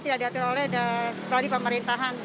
tidak diatur oleh dari pemerintahan